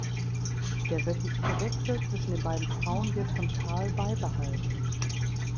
Der wöchentliche Wechsel zwischen den beiden Frauen wird von Karl beibehalten.